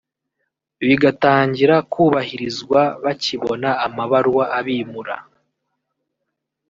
bigatangira kubahirizwa bakibona amabaruwa abimura